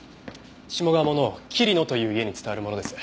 下鴨の桐野という家に伝わるものです。